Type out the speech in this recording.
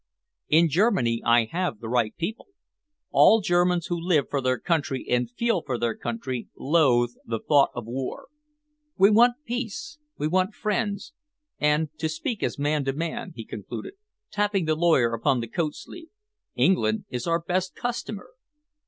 "In Germany I have the right people. All Germans who live for their country and feel for their country loathe the thought of war. We want peace, we want friends, and, to speak as man to man," he concluded, tapping the lawyer upon the coat sleeve, "England is our best customer."